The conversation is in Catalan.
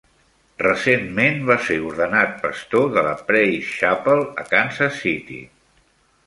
Recentment va ser ordenat pastor de la Praise Chapel a Kansas City.